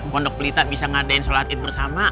penduk pelita bisa ngadain sholat bersama